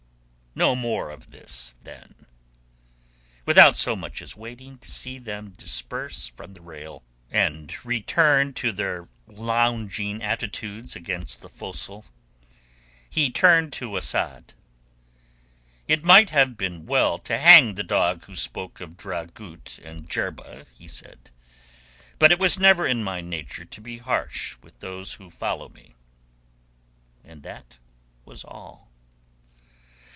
No more of this, then." Without so much as waiting to see them disperse from the rail and return to their lounging attitudes about the forecastle, he turned to Asad. "It might have been well to hang the dog who spoke of Dragut and Jerba," he said. "But it was never in my nature to be harsh with those who follow me." And that was all.